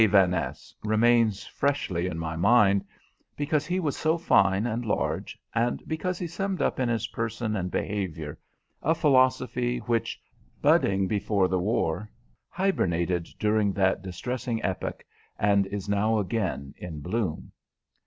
Vaness remains freshly in my mind because he was so fine and large, and because he summed up in his person and behavior a philosophy which, budding before the war, hibernated during that distressing epoch, and is now again in bloom.